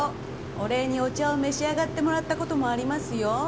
お礼にお茶を召し上がってもらった事もありますよ。